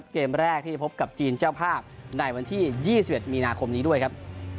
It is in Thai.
เกมแรกที่จะพบกับจีนเจ้าภาพในวันที่๒๑มีนาคมนี้ด้วยครับ